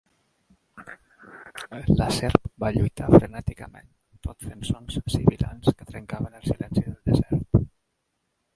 La serp va lluitar frenèticament, tot fent sons sibilants que trencaven el silenci del desert.